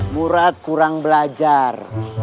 murad kurang belajar